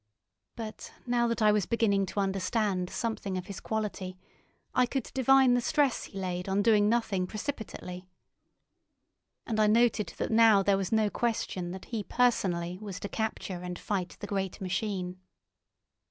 But now that I was beginning to understand something of his quality, I could divine the stress he laid on doing nothing precipitately. And I noted that now there was no question that he personally was to capture and fight the great machine.